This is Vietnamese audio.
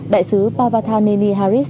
đại sứ pavathaneni haris